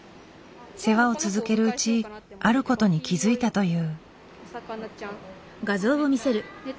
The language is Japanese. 世話を続けるうちあることに気付いたという。